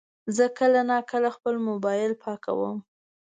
زه کله ناکله خپل موبایل پاکوم.